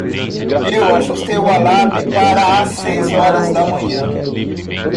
Eu ajustei o alarme para as seis horas da manhã.